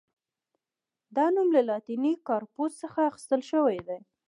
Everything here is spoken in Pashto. دا نوم له لاتیني «کارپوس» څخه اخیستل شوی دی.